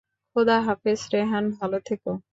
খোদা হাফেজ রেহান, ভাল থেকো।